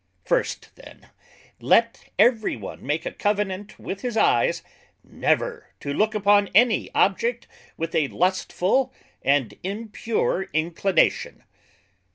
First then, Let every one make a Covenant with his eyes, never to look upon any object with a lustfull and impure inclination.